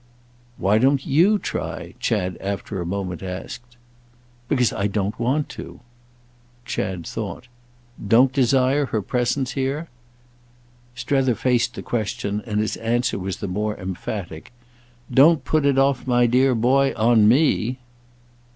"Why don't you try?" Chad after a moment asked. "Because I don't want to." Chad thought. "Don't desire her presence here?" Strether faced the question, and his answer was the more emphatic. "Don't put it off, my dear boy, on _me!